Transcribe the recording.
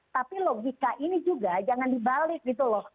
tapi logika ini juga jangan dibalik gitu loh